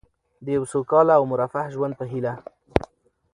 د یو سوکاله او مرفه ژوند په هیله.